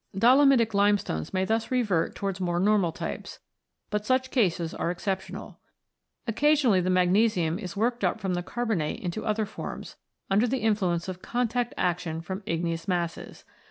Dolomitic limestones may thus revert towards more normal types ; but such cases are exceptional. Occasionally the magnesium is worked up from the carbonate into other forms, under the influence of contact action from igneous masses.